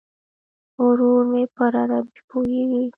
ورور مې پر عربي پوهیږي.